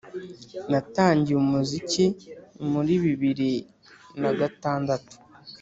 natangiye umuziki muri bibiri na gatandatu